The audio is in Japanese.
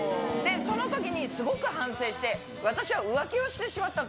そのときにすごく反省して、私は浮気をしてしまったと。